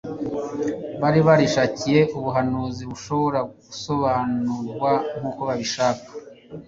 Bari barishakiye ubuhanuzi bushobora gusobanurwa nk'uko babishaka,